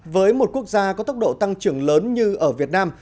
với một quốc gia có tốc độ tăng trưởng lớn như ở việt nam